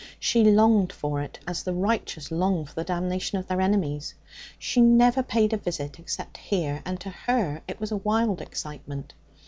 She longed for it as the righteous long for the damnation of their enemies. She never paid a visit except here, and to her it was a wild excitement.